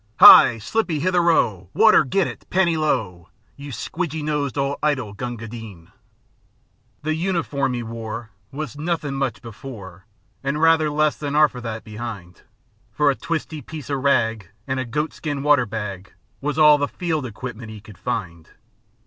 Hi! slippy hitherao! Water, get it! Panee lao!1 You squidgy nosed old idol, Gunga Din." The uniform 'e wore Was nothin' much before, An' rather less than 'arf o' that be'ind, For a piece o' twisty rag An' a goatskin water bag Was all the field equipment 'e could find.